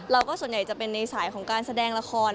ส่วนใหญ่จะเป็นในสายของการแสดงละคร